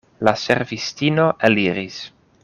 La servistino eliris.